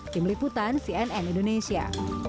tim liputan cnn indonesia